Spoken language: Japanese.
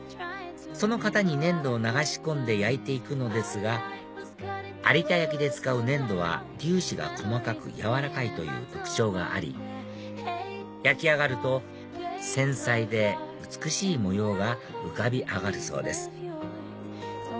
その型に粘土を流し込んで焼いて行くのですが有田焼で使う粘土は粒子が細かく軟らかいという特徴があり焼き上がると繊細で美しい模様が浮かび上がるそうです